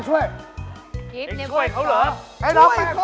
ช่วยเขาเหรอช่วยคนที่มันโด่